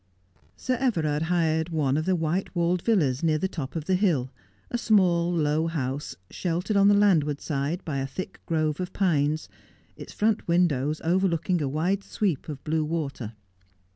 '. Sir Everard hired one of the white vailed villas near the top of the hill, a small low house, sheltered ou the landward side by a thick grove of pines, its front windows overlooking a wide sweep of blue water.